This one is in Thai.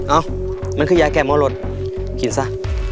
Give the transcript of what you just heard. เอ้ามันคือยาแก่มอร์รดขินซ่ะ